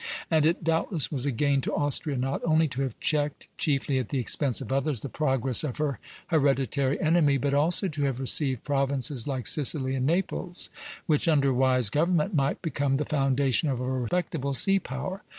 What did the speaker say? And it doubtless was a gain to Austria not only to have checked, chiefly at the expense of others, the progress of her hereditary enemy, but also to have received provinces like Sicily and Naples, which, under wise government, might become the foundation of a respectable sea power.